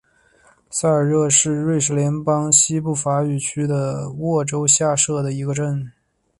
塞尔热是瑞士联邦西部法语区的沃州下设的一个镇。